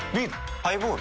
ハイボール？